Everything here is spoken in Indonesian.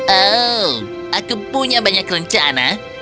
oh aku punya banyak rencana